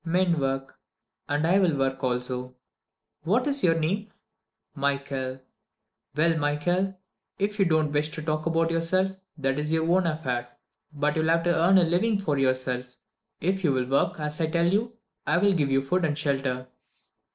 "Men work, and I will work also." "What is your name?" "Michael." "Well, Michael, if you don't wish to talk about yourself, that is your own affair; but you'll have to earn a living for yourself. If you will work as I tell you, I will give you food and shelter."